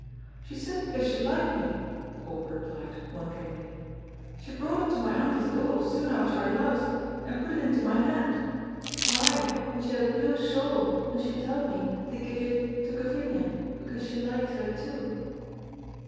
"She said because she liked me," Corp replied, wonderingly. "She brought it to my auntie's door soon after I loused, and put it into my hand: ay, and she had a blue shawl, and she telled me to give it to Gavinia, because she liked her too."